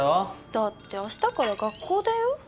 だって明日から学校だよ？